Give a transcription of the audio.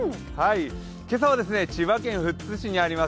今朝は千葉県富津市にあります